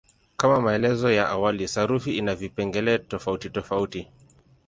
Kama maelezo ya awali, sarufi ina vipengele tofautitofauti.